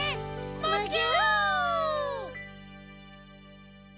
むぎゅ！